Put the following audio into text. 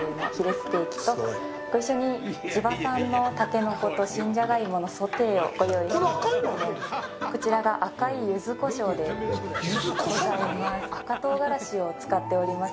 ステーキと、ご一緒に地場産のタケノコと新ジャガイモのソテーをご用意しております。